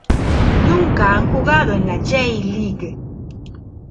Nunca han jugado en la J League.